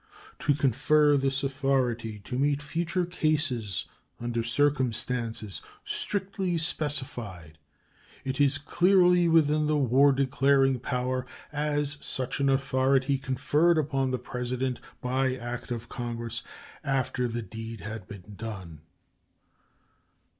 To confer this authority to meet future cases under circumstances strictly specified is as clearly within the war declaring power as such an authority conferred upon the President by act of Congress after the deed had been done.